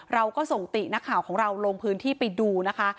เราก็ส่งตินักข่าวของเราลงพื้นที่ไปดูนะคะ